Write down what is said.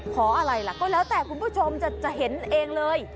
อะไรล่ะก็แล้วแต่คุณผู้ชมจะเห็นเองเลย